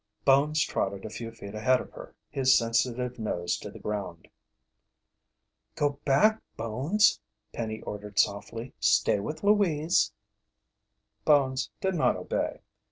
Bones trotted a few feet ahead of her, his sensitive nose to the ground. "Go back, Bones," Penny ordered softly. "Stay with Louise!" Bones did not obey.